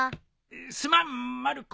すまんまる子。